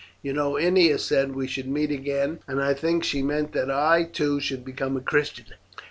You know Ennia said we should meet again, and I think she meant that I, too, should become a Christian.